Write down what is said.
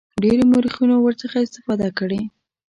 ډیرو مورخینو ورڅخه استفاده کړې.